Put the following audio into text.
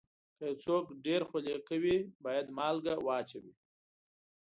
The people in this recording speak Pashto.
که یو څوک ډېر خولې کوي، باید مالګه واچوي.